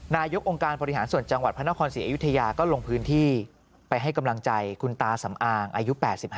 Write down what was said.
นายกองค์การบริหารส่วนจังหวัดพระนครศรีอยุธยาก็ลงพื้นที่ไปให้กำลังใจคุณตาสำอางอายุ๘๕